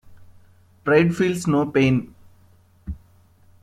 Pride feels no pain.